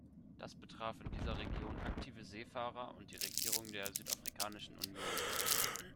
Das betraf in dieser Region aktive Seefahrer und die Regierung der Südafrikanischen Union.